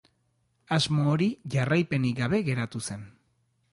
Asmo hori jarraipenik gabe geratu zen.